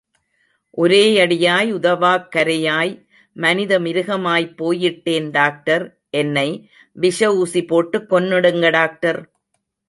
ஒரேயடியாய் உதவாக்கரையாய்.... மனித மிருகமாய்ப் போயிட்டேன் டாக்டர் என்னை விஷ ஊசி போட்டு கொன்னுடுங்க டாக்டர்.